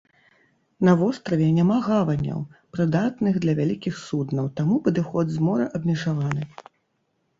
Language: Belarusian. На востраве няма гаваняў, прыдатных для вялікіх суднаў, таму падыход з мора абмежаваны.